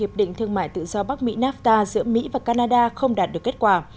quyết định thương mại tự do bắc mỹ napta giữa mỹ và canada không đạt được kết quả